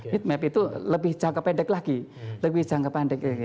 heat map itu lebih jangka pendek lagi